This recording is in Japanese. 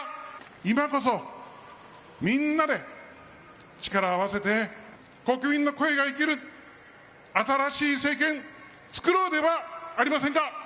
今こそみんなで力を合わせて、国民の声が生きる新しい政権、つくろうではありませんか。